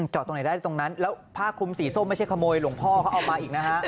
จอดตรงไหนได้ตรงนั้นแล้วผ้าคุมสีส้มไม่ใช่ขโมยหลวงพ่อเขาเอามาอีกนะฮะ